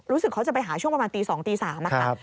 รู้สึกเขาจะไปหาช่วงประมาณตี๒ตี๓ค่ะ